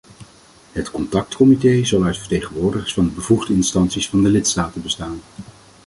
Het contactcomité zal uit vertegenwoordigers van de bevoegde instanties van de lidstaten bestaan.